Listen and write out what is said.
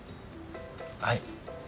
はい。